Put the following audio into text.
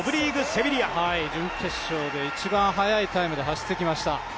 準決勝で一番速いタイムで走ってきました。